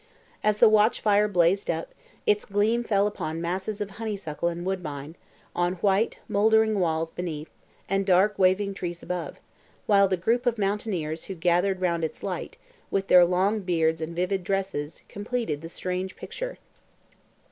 As the watchfire blazed up, its gleam fell upon masses of honeysuckle and woodbine, on white, mouldering walls beneath, and dark, waving trees above; while the group of mountaineers who gathered round its light, with their long beards and vivid dresses, completed the strange picture.